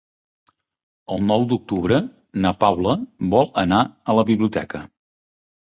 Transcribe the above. El nou d'octubre na Paula vol anar a la biblioteca.